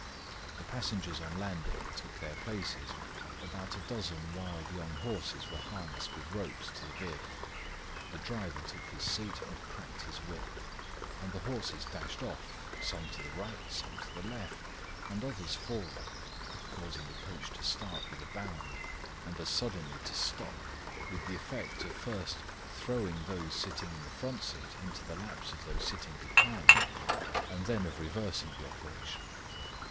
The passengers on landing took their places, about a dozen wild young horses were harnessed with ropes to the vehicle, the driver took his seat and cracked his whip, and the horses dashed off, some to the right, some to the left, and others forward, causing the coach to start with a bound, and as suddenly to stop, with the effect of first throwing those sitting in the front seat into the laps of those sitting behind, and then of reversing the operation.